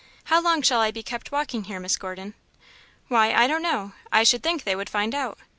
How long shall I be kept walking here, Miss Gordon?" "Why, I don't know; I should think they would find out.